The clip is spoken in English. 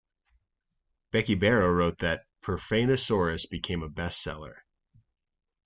Becky Barrow wrote that "Profanisaurus" "became a bestseller.